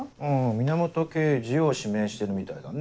源刑事を指名してるみたいだね。